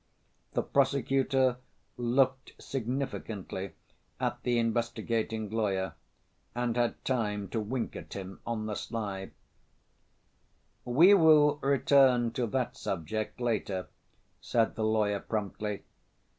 The prosecutor looked significantly at the investigating lawyer, and had time to wink at him on the sly. "We will return to that subject later," said the lawyer promptly.